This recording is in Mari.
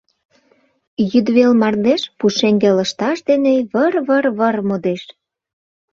Йӱдвел мардеж пушеҥге лышташ дене выр-выр-выр модеш.